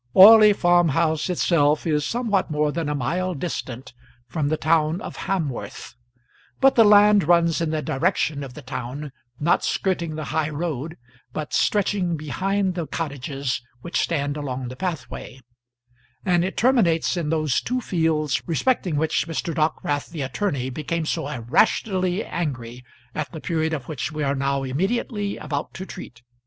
Orley Farm house itself is somewhat more than a mile distant from the town of Hamworth, but the land runs in the direction of the town, not skirting the high road, but stretching behind the cottages which stand along the pathway; and it terminates in those two fields respecting which Mr. Dockwrath the attorney became so irrationally angry at the period of which we are now immediately about to treat.